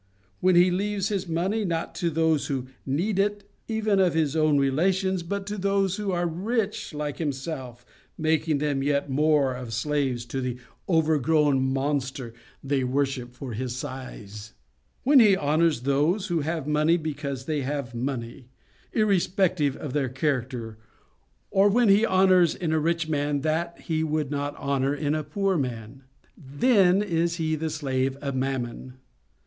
When he leaves his money, not to those who NEED it, even of his relations, but to those who are rich like himself, making them yet more of slaves to the overgrown monster they worship for his size. When he honours those who have money because they have money, irrespective of their character; or when he honours in a rich man what he would not honour in a poor man. Then is he the slave of Mammon.